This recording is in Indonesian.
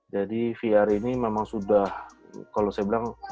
jadi vr ini memang sudah kalau saya bilang